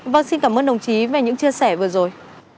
vâng xin cảm ơn đồng chí về những chia sẻ vừa rồi